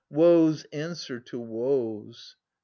Woes answer to woes